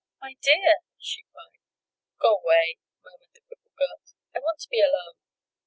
"My dear!" she cried. "Go away!" murmured the crippled girl. "I want to be alone.